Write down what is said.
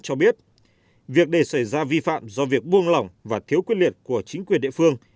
cho biết việc để xảy ra vi phạm do việc buông lỏng và thiếu quyết liệt của chính quyền địa phương